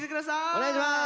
お願いします。